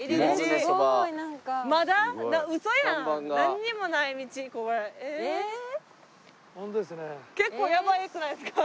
結構やばくないですか？